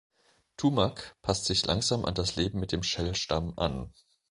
Tumak passt sich langsam an das Leben mit dem Shell-Stamm an.